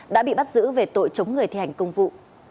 đã bị bắt giữ về tội chống người thi hành công vụ